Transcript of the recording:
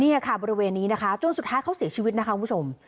นี่ค่ะบริเวณนี้นะคะจนสุดท้ายเขาเสียชีวิตนะคะคุณผู้ชม